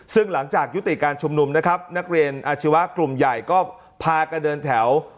ซึ่งหลังจากยุติการชุมนุมนะครับนักเรียนอาชีวะกลุ่มใหญ่ก็พากันเดินแถว